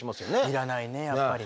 いらないねやっぱりね。